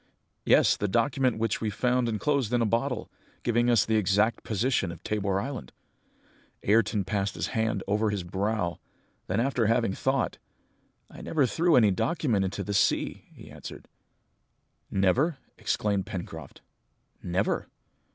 "Yes, the document which we found enclosed in a bottle, giving us the exact position of Tabor Island!" Ayrton passed his hand over his brow, then after having thought, "I never threw any document into the sea!" he answered. "Never," exclaimed Pencroft. "Never!"